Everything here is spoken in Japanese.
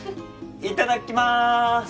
いただきます